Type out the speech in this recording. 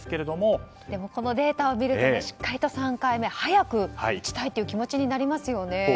でもこのデータを見るとしっかりと３回目早く打ちたいって気持ちになりますよね。